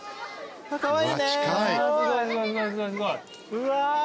うわ。